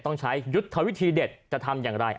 ต้องใช้ยุทธวิธีเด็ดจะทำอย่างไร